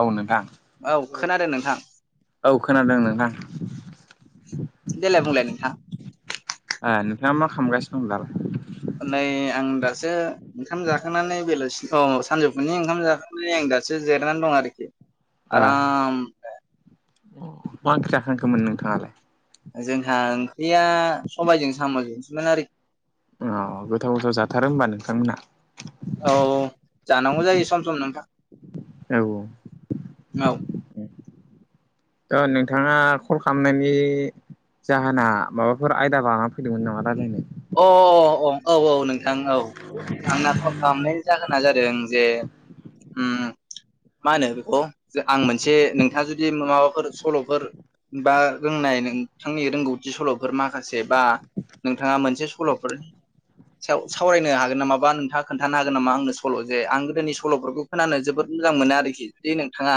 औ नोंथां औ खोनादों नोंथां। औ खोनादों नोंथां। देलात बुंलाय नोंथां ए नोंथाङा मा खालामगासिनो दं दालाय? नै आं दासो ओंखाम जाखांनै बेलासि औ सानजौफुनि ओंखाम जाखांनै आं दासो जिरनानै दं आरोखि। आराम अ मा खि जाखांखोमोन नोंथाङालाय? जोंहा ओंख्रिया सबायाइजों साम' जोंसोमोन आरो खि अ गोथाव गोथाव जाथारो होमबा नोंथांमोनहा। औ जानांगौ जायो सम सम नोंथां। औ औ ओ नोंथाङा कल खालामनायनि जाहोना माबाफोर आयदा लानानै फैदोंमोन नामा रायज्लायनो अ अ औ औ नोंथां औ आंना फल खालामनायानो जागोन जादों जे मा ओम होनो बेखौ आं मोनसे नोंथांङा जुदि माबाफोर सल'फोर बा रोंनाय नोंथांनि रोंगौथि सल'फोर माखासे बा नोंथाङा मोन मोनसे सल'फोर सावरायनो हागोन नामाबा नोंथांङा? खोन्थानो हागोन नामा आंनो सल' जे आं गोदोनि सल'फोरखौ खोनानो जोबोद मोजां मोनो आरोखि जे नोंथाङा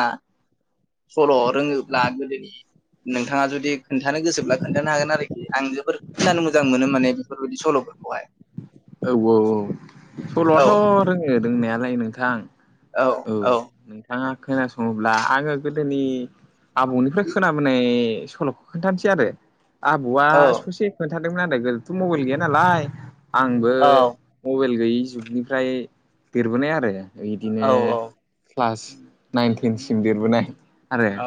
सल' रोङोब्ला गोदै नोंथाङा जुदि खोन्थानो गोसोब्ला खोन्थानो हागोन आरोखि आं जोबोर खोनानो मोजां मोनो माने। बेफोरबायदि सल'फोरखौहाय। औ औ औ औ सल'आथ' रोङो रोंनायालाय नोंथां। औ औ नोंथाङा खोनासङोब्ला आंङो गोदोनि आबौनिफ्राय खोनाबोनाय सल'खौ खोन्थानोसै आरो आब'आ औ ससे खोन्थादोंमोन आदोथ' मबाइल गैया नालाय आंबो औ मबाइल गैयि जुगनिफ्राय देरबोनाय आरो औ बिदिनो क्लास नाइन टेनसिम देरबोनाय आरो औ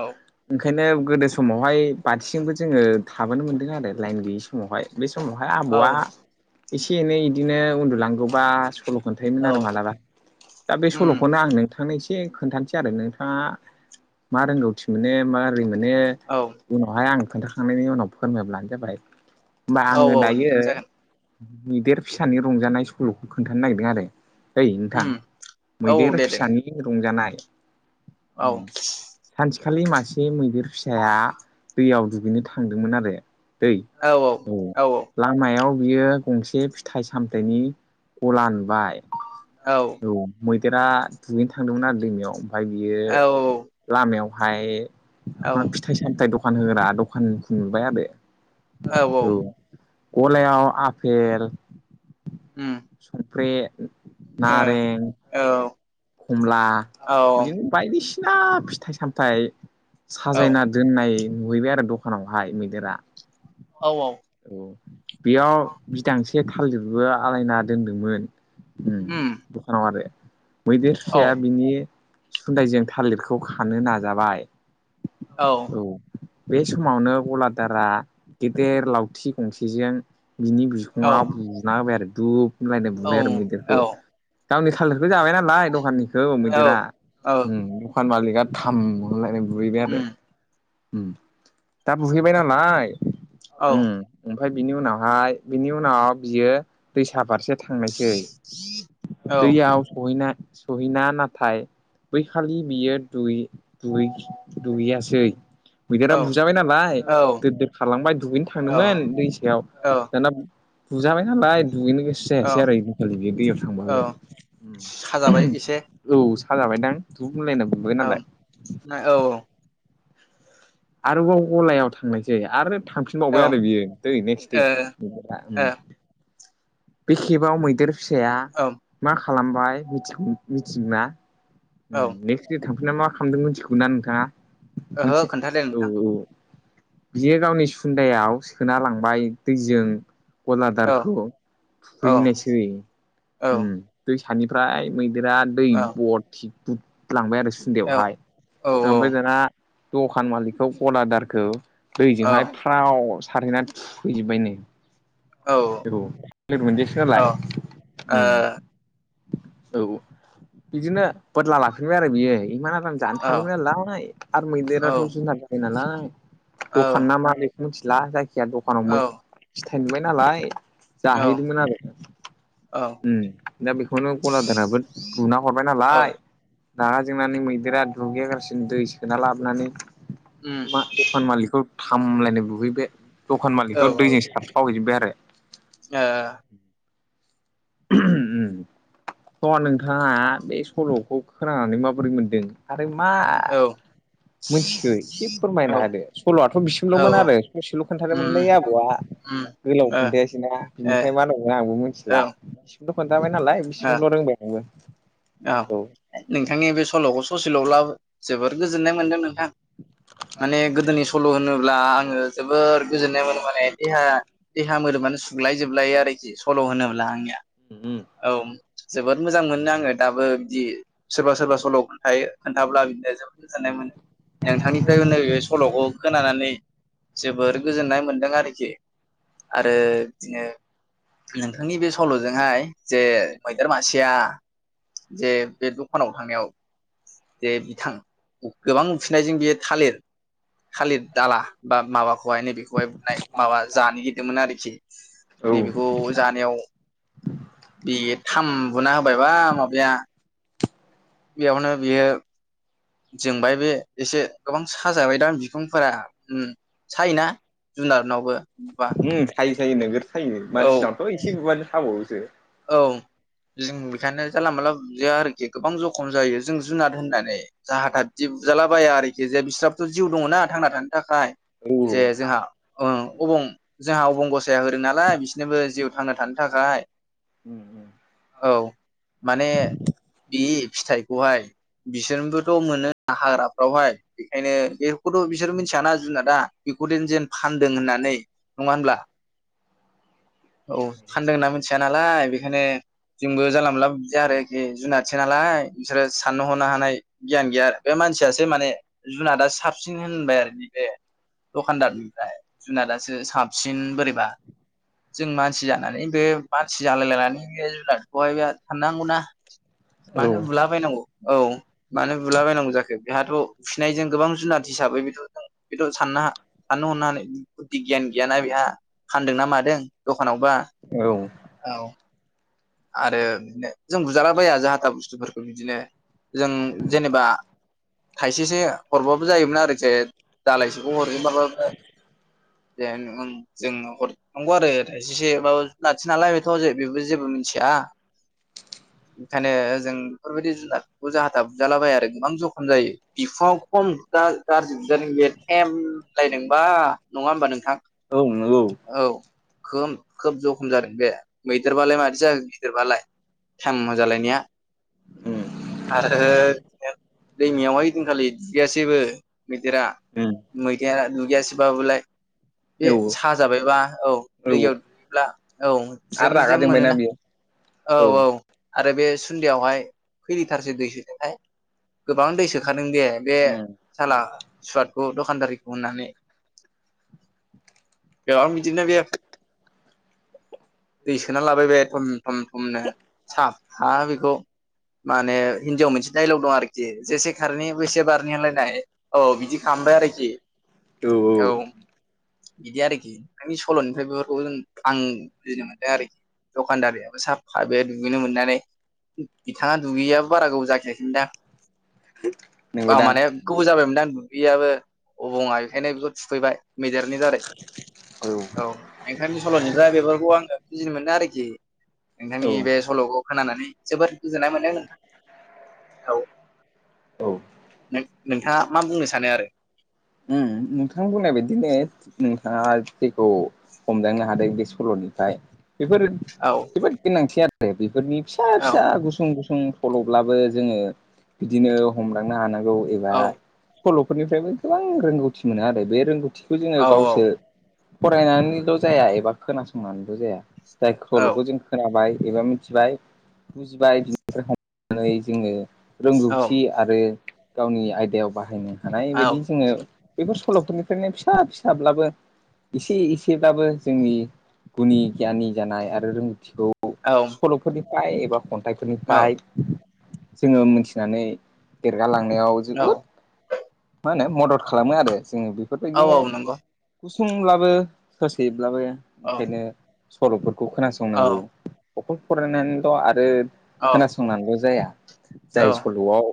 ओंखायनो गोदो समावहाय बाथिजोंबो जोंङो थाबोनो मोन्दों आरो लाइन गैयि समावहाय। बे समावहाय आबौ औ आ एसे एनै बिदिनो उन्दुलांगौबा सल' खोन्थायोमोन औ आरो मालाबा दा बे उम सल'खौनो आं नोंथांनो एसे खोन्थानोसै आरो नोंथाङा मा रोंगौथि मोनो मा रै मोनो औ उनावहाय आं खोन्थाखांनायनि उनाव फोरमायब्लानो जाबाय। होमबा औ आंङो औ दायो नोंथां जागोन मैदेर फिसानि रंजानाय सल'खौ खोन्थानो नागिरदों आरो ओइ नोंथां उम औ औ मैदेर दे दे फिसानि नोंथां रंजानाय औ सानसेखालि मासे मैदेर फिसाया दैयाव दुगैनो थांदोंमोन आरो दै औ लामायाव बियो गंसे फिथाइ सामथायनि गला नुबाय औ मैदेरा दुगैनो थांदोंमोन आरो दैमायाव ओमफ्राय बियो औ लामायावहाय औ फिथाइ सामथाय दखान होग्रा दखानखौ नुबाय आरो औ। गलायाव आपेल उम संख्रि नारें औ खमला औ बिदिनो बायदिसिना फिथाइ सामथाय साजायना औ दोननाय नुहैबाय आरो दखानावहाय मैदेरा। औ औ औ बेयाव बिदांसे थालिरबो आलायना दोनदोंमोन। उम दखानाव आरो। मैदेर फिसाया औ बिनि सुन्दायजों थालिरखौ खानो नाजाबाय। औ बे समावनो गलादारा गेदेर लावथि गंसेजों बिनि बि खुंआव बुना होबाय आरो दुब होनलायनाय बुबाय आरो औ औ मैदेरखौ गावनि थालिरखौ जाबाय नाल लाय दखाननिखौ औ मैदेरा औ उम दखान मालिकआ थाम होनलायनाय बुहैबाय आरो। उम उम दा बुहैबाय नालाय औ उम ओमफ्राय बिनि उनावहाय बिनि उनाव बियो दैसा फारसे थांनायसै औ दैयाव सहैना सहैना नाथाय बैखालि बियो दुगै-दुगै-दुगैयासै। औ मैदेरा बुजाबाय नालाय औ दोर दोर खारलांबाय दुगैनो थांदोंमोन दै सायाव दाना बुजाबाय नालाय दुगैनो गोसो औ जायासै आरो ओइदिनखालि बियो दैयाव थांबाबो। औ साजाबाय एसे। औ साजाबायदां दुब होनलायना औ ना औ आरोबाव गलायाव थांनायसै आरो ओ थांफिनबावबाय आरो बियो दै नेक्स्ट दे औ उम बे खेबाव मैदेर फिसाया औ मा खालामबाय मिथिगौना? नेक्स्ट दे थांफिनना मा खालामदों मिथिगौ ना नोंथाङा? ओहो मोनथिया खोन्थादों औ नोंथां औ बियो गावनि सुन्दायाव सोना लांबाय दैजों औ गलादारखौ। औ थुखैहैनायसै औ दैसानिफ्राय मैदेरा दै औ बरथि बुं लांबाय आरो औ सुन्दायावहाय ओ ओमफ्राय दाना दखान मालिकखौ गलादारखौ औ दैजोंहाय फ्राव सारहैनानै थुखैजोबबायनो औ। बुनदिसो औ उम नालाय उम औ बिदिनो बदला लाफिनबाय आरो बियो इमान आराम जानो थांदोंमोन नालाय आरो मैदेराथ' जुनार जायो नालाय दखान ना मा बे मिथिला जायखिया दखानाव फिथायाइ नुबाय नालाय औ जाहैदोंमोन आरो। औ उम दा बेखौनो गलादाराबो बुना हरबाय नालाय। रागा जोंनानै मैदेरा दुगैया लासिनो दै सोना लाबोनानै मा दखान मालिकखौ थाम होनलायनाय बुहैबाय दखान मालिखौ दैजों सार फ्राव हैजोबबाय आरो। ओ [inaudible] उम स नोंथाङा बे सल'खौ खोनानानै माबोरै मोनदों? आरो मा ओ मिथिखो एसे औ फोरमायना होदो सल'आथ' औ बिसिमल'मोन औ आरो ससेल' उम खोन्थादोमोनलै आबौआ। उम गोलाव ओ खोन्थायासैना ओ बिनिफ्राय मा होननांगौ आंबो मिथिला औ बिसिमल' खोनथाबाय नालाय ओ बिसिमल' रोंबाय आंबो। औ नोंथांनि बे सल'खौ ससेल'ब्लाबो जोबोर गोजोननाय मोनदों नोंथां। माने गोदोनि सल' होनोब्ला आङो जोबोद गोजोननाय मोनो। माने देहा देहा मोदोमानो सुग्लाय जोबलायो आरोखि सल' होनोब्ला आंनिया। ओम। औ जोबोद मोजां मोनोना आङो दाबो बिदि सोरबा सोरबा सल' खोन्थायो खोन्थाब्ला बिदिनो जोबोद गोजोननाय मोनो। नोंथांनिफ्रायबो नैबे सल'खौ खोनानानै जोबोर गोजोननाय मोनदों आरोखि। आरो बिदिनो नोंथांनि बे सल'जोंहाय जे मैदेर मासेया जे बे दखानाव थांनायाव जे बिथां गोबां उखैनायजों बियो थालिर थालिर दाला बा माबाखौहाय नै बेखौहाय बुनाय माबा जानो गिरदोंमोन आरोखि औ नै बेखौ जानायाव उम बेयो थाम बुना होबायबा माबाया बेयावनो बियो जोंबाय बे एसे गोबां साजाबाय दां बिखुंफोरा ओम बा ओम थायो थायो नोगोर थायो औ मानसिनावथ' खिबोबानो खावो बिसोरो औ। जों बेखायनो जानला माला बुजाया आरोखि गोबां जखम जायो जों जुनार होननानै जाहाथा बिदि बुजालाबाया आरोखि जे बिस्राबोथ' जिउ दङ ना थांना थानो थाखाय। औ जे जोंहा ओ अबं जोंहा अबं गस गसाया होदों नालाय बिसोरनोबो जिउ थांना थानो थाखाय ओम ओम। औ माने बे फिथाइखौहाय बिसोरनोबोथ' मोनो हाग्राफ्रावहाय बेखायनो बेखौथ' बिसोर मि मिथिया ना जुनादा बेखौ जेन फानदों होननानै नङा होनब्ला? औ फान्दों होनना मिथिया नालाय बेखायनो जोंबो जानला मोनला बुजाया आरोखि जुनादसो नालाय बिसोरो साननो हनो हानाय गियान गैया बे मानसियासो माने जुनादआ साबसिन होन [unintelligible] दखानदारनिफ्राय जुनादासो साबसिन बोरैबा जों मानसि जानानै बे मानसि जालायलायनानै बे जुनारखौहाय बे साननांगौना औ मानो बुलाबायनांगौ? औ मानो बुलाबायनांगौ जाखो बेहाथ' उखैनायजों गोबां जुनाद हिसाबै बेखौ जों बेथ' साननो साननो हनो हानाय बुद्धि गियान गैयाना बेहा फानदोंना मादों दखानावबा औ। औ आरो बिदिनो जों बुजालाबाया जाहाथा बुस्थुफोरखौ बिदिनो जों जेनेबा थाइसेसो हरबाबो जायोमोन आरोखि दालायसेखौ हरजोबाबो जे जों हरनांगौ आरो थायसेसे माब लासि नालाय बेथ' बेबो जेबो मोनथि या। ओंखायनो जों बेफोरबायदि जुनारखौ जाहाथा बुजालाबाया आरो गोबां जखम जायो। बिखुङाव खम गा-गाज्रि बुजादों बे थेम होनलायदोंबा नङा होमबा नोंथां? औ नंगौ। औ। खोब खोब जखम जादों बे मैदेरबालाय माददि जाखो गिदिरबालाय इम जालायनाया उम आरो [unintelligible] दैमायावहाय ओइदिन खालि दिगैयासैबो मैदेरा उम- मैदेर नुगैयाासै बाबलाय [unintelligible] बे औ साजाबायबा औ- दैयावब्ला औ- आरो ज्रेम रागा ज्रेम जोंबायना मोनोना बियो औ- औ- आरो बे सुन्दियावहाय खै लिटारसो दै सोदोहाय गोबां दै सोखादों दे बे उम औ साला सुवादखौ दखानदारिखौ अननानै बेयाव बिदिनो बे दै सोना लाबाय बे- उम- थुम थुमनो साफा बेखौ माने हिन्दीयाव मोनसे डाइलग दं आरोखि जेसे खारनि बेसे बारनि होनलायनाय औ- बिदि खालामबाय आरोखि औ- औ बिदि आरोखि नि सल'निफ्राय बेफोरखौ जों आं बुजिनो मोनदों आरोखि दखानदारियाबो साफा बे दुगैनो मोननानै बिथाङा दुगैयाबो बारा गोबाव जाखियाखै दां नंगौदां माने गोबाव जाबायमोनदां दुगैयि आबो अबङआ बेखायनो बेखौ थुखैबाय मैदेरनि दारै औ- ओंखायनोनि सल'निफ्राय्रा बेफोरखौ आङो फिजिनो मोनो आरोखि [inaudible] औ नोंथांनि बे सल'खौ खोनानानै जोबोद गोजोननाय मोनदों नोंथां औ- औ- नों- नोंथाङा मा बुंनो सानो आरो ओम- नोंथां बुंनाय बादिनो नोंथाङा जेखौ हमदांनो हादों बे सल'निफ्राय बेफोर औ- जोबोद गोनांथि आरो बेफोरनि फिसा औ फिसा गुसुं गुसुं सल'ब्लाबो जोङो बिदिनो हमलांनो हानांगौ एबा औ सल'फोरनिफ्रायबो गोबां रोंगौथि मोनो आरो बे रोंगौथिखौ जोङो औ गावसोर फरायनानैल' जाया एबा खोनासंनानैल' जाया जाय औ सल'खौ जों खोनाबाय एबा मिथिबाय बुजिबाय बिनिफ्राय हमनानै जोङो रोंगौथि आरो गावनि आयदायाव बाहायनो हानाय औ बायदि जोङो बेफोर सल'फोरनिफ्रायनो फिसा फिसाब्लाबो एसे एसेब्लाबो जोंनि गुनि गियाननि जानाय आरो रोंगौथिखौ औ सल'फोरनिफ्राय एबा खन्थाइफोरनिफ्राय जोङो मोनथिनानै देरगालांनायाव औ जोबोद मा होनो मदद खालामो आरो जोङो। औ बेफोरबायदिनो औ नंगौ गुसुंब्लाबो सोर सैब्लाबो औ ओंखायनो सल'फोरखौ खोनासंनांगौ औ अ [unintelligible] फोर फरायनायनानैल' आरो औ खोनासंनल' जाया औ जाय सल'आव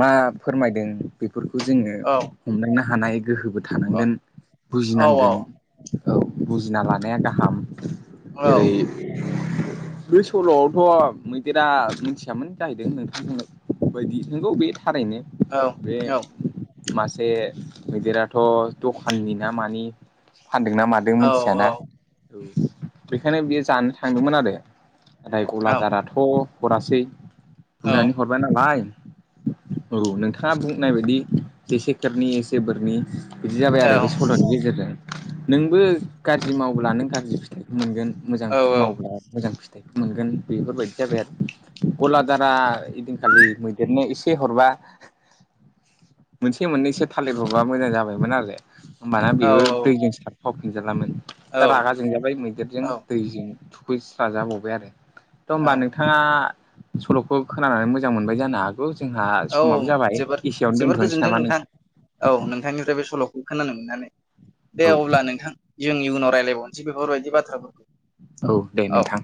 मा फोरमायदों बेफोरखौ जोङो औ हमदांनो हानाय गोहोबो थानांगोन औ बुजिनांगोन औ बुजिना लानाया गाहाम औ जेरै बे सल'आवथ' मैदेरा मिथियामोन जाहैदों नोंथांजोंनो बायदि नोंगौ बे थारैनो औ बे औ मासे मैदेराथ' दखाननि ना मानि फानदोंना मादों मिथियाना औ बेखायनो बेयो जानो थांदोंमोन आरो नाय औ गलादाराथ' हरासै बुनानै हरबाय नालाय औ नोंथाङा बुंनाय बायदि जेसेखरनि एसे बोरनि बिदि जाबाय आरो बे सल'नि गेजेरजों नोंबो गाज्रि मावब्ला नों गाज्रि फिथायखौ मोनगोन मोजां मावब्ला मोजां फिथाइ मोनगोन बेफोरबायदि जाबाय आरो गलादारा एदिनखालि मैदेरनो एसे हरबा मोनसे मोननैसो थालिरहरबा मोजां जाबायमोन आरो होमबाना बेबो दैजों सारफावफिनजालामोन औ दा रागा जोंजाबाय मैदेरजों दैजों थुखैस्रा जाबावबाय आरो थ औ होमबा नों थाङा सल'खौ खोनानानै मोजां मोनबाय जानो हागौ जोंहा औ समाबो जाबाय जोबोर एसेयावनो जोबोर दोन्थ'नोसै। गोजोनदों नोंथां औ नोंथांनिफ्राय बे सल'खौ खोनानो मोननानै दे औ अब्ला नोंथां। जोंनि इयनाव रायज्लायबावनोसै बेफोरबायदि बाथ्राफोरखौ औ दे नोंथां।